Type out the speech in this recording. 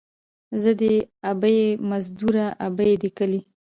ـ زه دې ابۍ مزدوره ، ابۍ دې کلي.